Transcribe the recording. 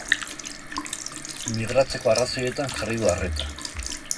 Migratzeko arrazoietan jarri du arreta.